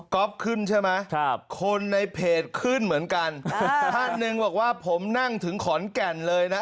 ก๊อบขึ้นใช่ไหมคนในเพจขึ้นเหมือนกันถ้าหนึ่งบอกว่าผมนั่งถึงขอนแก่นเลยนะ๖๕๐บาท